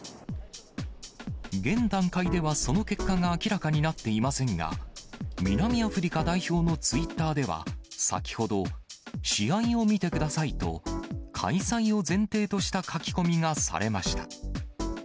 現段階ではその結果が明らかになっていませんが、南アフリカ代表のツイッターでは、先ほど、試合を見てくださいと、開催を前提とした書き込みがされました。